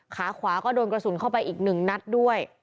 ขาขวาก็โดนกระสุนเข้าไปอีก๑นัดด้วย